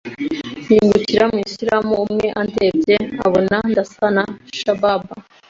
mpingukira ku mu islam umwe andebye abna ndasa na shababa